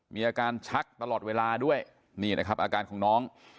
มีอาการชักตลอดเวลาด้วยนี่นะครับอาการของน้อง